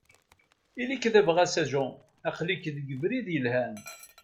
Ili-k d abɣas a Jean, aql-ik deg ubrid yelhan.